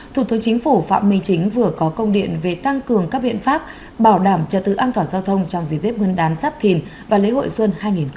thủ tướng chính phủ phạm minh chính vừa có công điện về tăng cường các biện pháp bảo đảm cho tự an toàn giao thông trong dịp tết nguyên đán giáp thìn và lễ hội xuân hai nghìn hai mươi bốn